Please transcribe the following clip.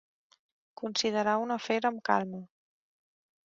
Considerar un afer amb calma.